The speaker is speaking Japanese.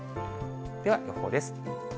では、予報です。